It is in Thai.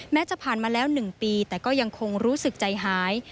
จะผ่านมาแล้ว๑ปีแต่ก็ยังคงรู้สึกใจหาย